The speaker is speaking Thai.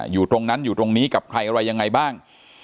อยู่ตรงนั้นอยู่ตรงนี้กับใครอะไรยังไงบ้าง